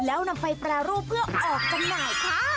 แล้วนำไปแปรรูปเพื่อออกจำหน่ายค่ะ